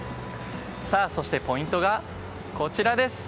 そして、ポイントがこちらです。